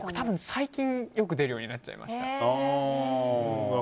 最近よく出るようになっちゃいました。